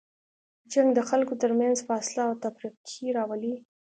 جنګ د خلکو تر منځ فاصله او تفرقې راولي.